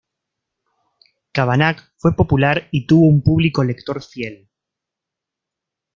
Kavanagh fue popular y tuvo un público lector fiel.